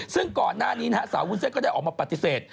ซึ่งก่อนหน้านี้นะฮะสาววุ้นเส้นก็ได้ออกมาปฏิเสธ